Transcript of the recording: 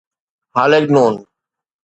هاليگنون